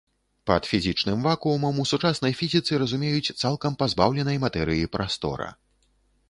Пад фізічным вакуумам у сучаснай фізіцы разумеюць цалкам пазбаўленай матэрыі прастора.